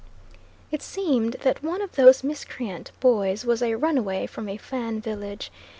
It seemed that one of those miscreant boys was a runaway from a Fan village.